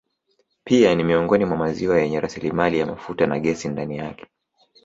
Pia ni miongoni mwa maziwa yenye rasilimali ya mafuta na gesi ndani yake